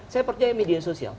saya percaya media sosial